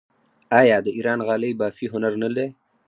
آیا د ایران غالۍ بافي هنر نه دی؟